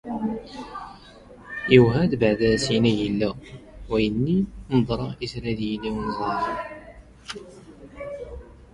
ⵉⵡⴰ ⵀⴰ ⴷ ⴱⵄⴷⴰ ⴰⵙⵉⴳⵏⵓ ⵉⵍⵍⴰ ⵡⴰⵢⵏⵏⵉ ⵎⴹⵕⴰ ⵉⵙ ⵔⴰⴷ ⵢⵉⵍⵉ ⵓⵏⵥⴰⵕ.